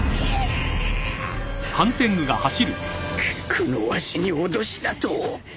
このわしに脅しだと？